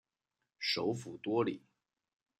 首府多里。